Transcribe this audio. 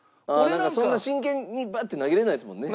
なんかそんな真剣にバッて投げれないですもんね。